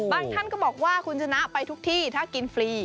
ท่านก็บอกว่าคุณชนะไปทุกที่ถ้ากินฟรี